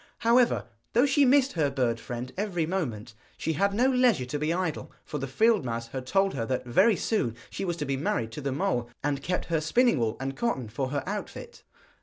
However, though she missed her bird friend every moment, she had no leisure to be idle, for the field mouse had told her that very soon she was to be married to the mole, and kept her spinning wool and cotton for her outfit.